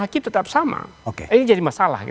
hakim tetap sama ini jadi masalah